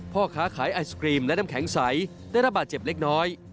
พ่อค้าขายไอศกรีมและน้ำแข็งใสได้ระบาดเจ็บเล็กน้อย